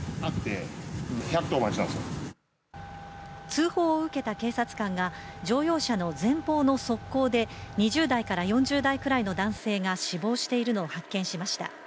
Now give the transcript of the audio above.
通報を受けた警察官が乗用車の前方の側溝で２０代から４０代くらいの男性が死亡しているのを発見しました。